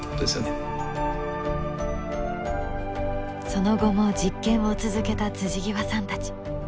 その後も実験を続けた極さんたち。